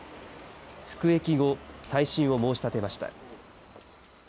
服役後、再審を申し立てました。